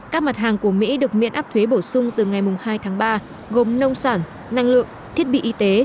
các mặt hàng của mỹ được miễn áp thuế bổ sung từ ngày hai tháng ba gồm nông sản năng lượng thiết bị y tế